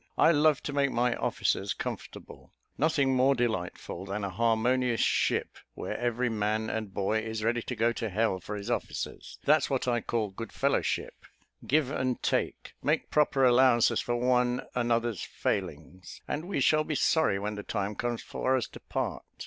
I love to make my officers comfortable: nothing more delightful than a harmonious ship, where every man and boy is ready to go to h l for his officers. That's what I call good fellowship give and take make proper allowances for one another's failings, and we shall be sorry when the time comes for us to part.